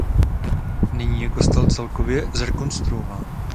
Nyní je kostel celkově zrekonstruován.